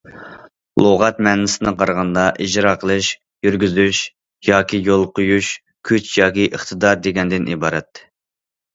لۇغەت مەنىسىدىن قارىغاندا، ئىجرا قىلىش يۈرگۈزۈش ياكى يولغا قويۇش، كۈچ ياكى ئىقتىدار دېگەندىن ئىبارەت.